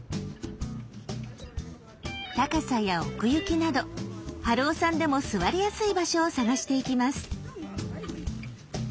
高さや奥行きなど春雄さんでも座りやすい場所を探していきます。